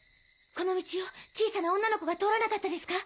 この道を小さな女の子が通らなかったですか？